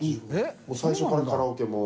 もう最初からカラオケも？